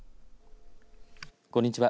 こんにちは。